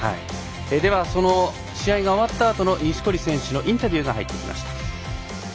その試合が終わったあとの錦織選手のインタビューが入ってきました。